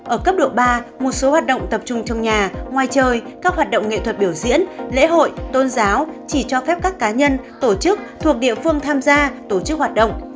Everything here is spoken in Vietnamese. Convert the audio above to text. ở cấp độ ba một số hoạt động tập trung trong nhà ngoài trời các hoạt động nghệ thuật biểu diễn lễ hội tôn giáo chỉ cho phép các cá nhân tổ chức thuộc địa phương tham gia tổ chức hoạt động